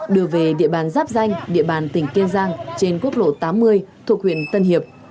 đưa về địa bàn giáp danh địa bàn tỉnh kiên giang trên quốc lộ tám mươi thuộc huyện tân hiệp